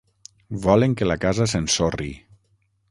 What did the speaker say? Volen que la casa s'ensorri.